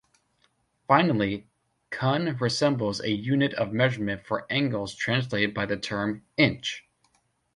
Finally, "cun" resembles a unit of measurement for angles translated by the term "inch".